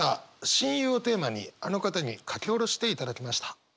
「親友」をテーマにあの方に書き下ろしていただきました。